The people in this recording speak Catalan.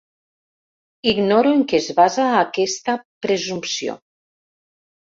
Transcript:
Ignoro en què es basa aquesta presumpció.